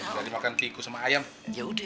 yaudah deh abah buang ke tempat sama aja deh